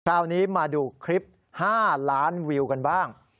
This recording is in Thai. คราวนี้มาดูคลิป๕ล้านวิวกันบ้าง